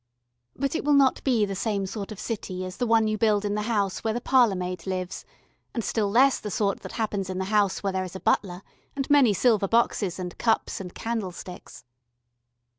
But it will not be the same sort of city as the one you build in the house where the parlour maid lives and still less the sort that happens in the house where there is a butler and many silver boxes and cups and candlesticks.